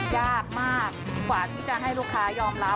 ยากมากกว่าที่จะให้ลูกค้ายอมรับ